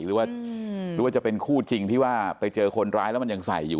หรือว่าจะเป็นคู่จริงที่ว่าไปเจอคนร้ายแล้วมันยังใส่อยู่